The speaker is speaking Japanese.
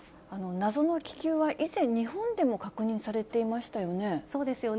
謎の気球は以前、日本でも確そうですよね。